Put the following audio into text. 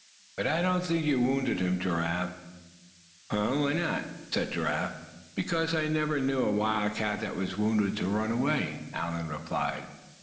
But I don't think you wounded him, Giraffe." "Huh? why not?" "Because I never knew a wildcat that was wounded to run away," Allan replied.